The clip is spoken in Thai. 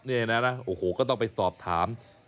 นี่นะโอ้โหก็ต้องไปสอบถาม